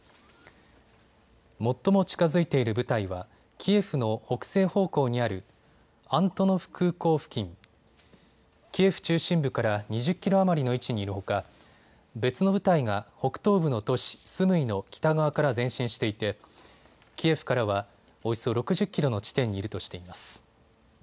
最も近づいている部隊は、キエフの北西方向にあるアントノフ空港付近、キエフ中心部から２０キロ余りの位置にいるほか別の部隊が北東部の都市スムイの北側から前進していてキエフからはおよそ６０キロの地点にいるとしています。